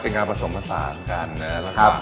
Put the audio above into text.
เป็นงานผสมผสานกันนะครับ